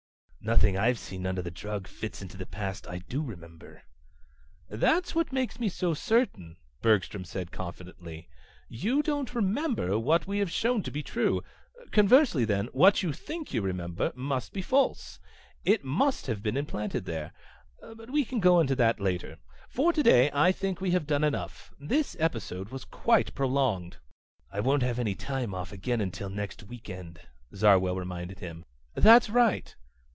"Nothing I've seen under the drug fits into the past I do remember." "That's what makes me so certain," Bergstrom said confidently. "You don't remember what we have shown to be true. Conversely then, what you think you remember must be false. It must have been implanted there. But we can go into that later. For today I think we have done enough. This episode was quite prolonged." "I won't have any time off again until next week end," Zarwell reminded him. "That's right."